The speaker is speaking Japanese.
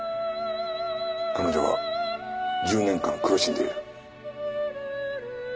彼女は１０年間苦しんでいる。